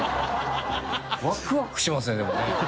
ワクワクしますねでもね。